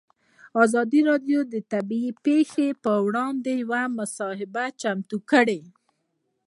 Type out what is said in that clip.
ازادي راډیو د طبیعي پېښې پر وړاندې یوه مباحثه چمتو کړې.